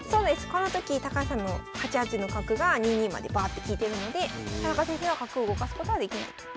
この時高橋さんの８八の角が２二までバーッて利いてるので田中先生は角を動かすことはできないと。